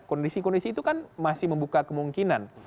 kondisi kondisi itu kan masih membuka kemungkinan